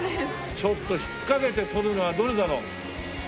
ちょっと引っかけて取るのはどれだろう？